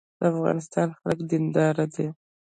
د افغانستان خلک دیندار دي